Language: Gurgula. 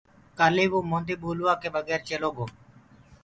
ڪآلي وو موندي ٻولوآ ڪي بگير چيلو گو؟